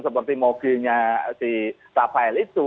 seperti mogilnya si rafael itu